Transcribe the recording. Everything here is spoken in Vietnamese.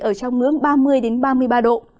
ở trong ngưỡng ba mươi ba mươi ba độ